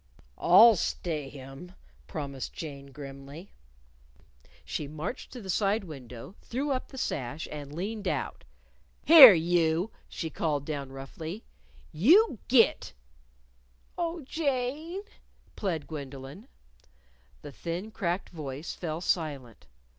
"I'll stay him!" promised Jane, grimly. She marched to the side window, threw up the sash and leaned out. "Here, you!" she called down roughly. "You git!" "Oh, Jane!" plead Gwendolyn. The thin, cracked voice fell silent.